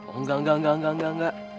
enggak enggak enggak enggak enggak